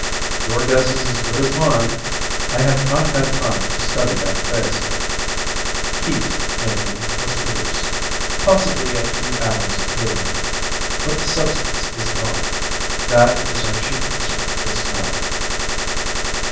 "Your guess is as good as mine. I have not had time to study that phase of it. Heat, mainly, was produced. Possibly a few atoms of helium. But the substance is gone. That is our chief concern just now."